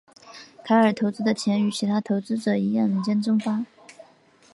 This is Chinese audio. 凯尔投资的钱与其他投资者一样人间蒸发。